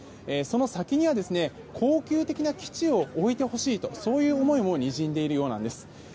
その先には恒久的な基地を置いてほしいとそういう思いもにじんでいるようなんです。